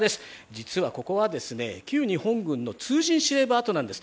実はここは旧日本軍の通信司令部跡なんです。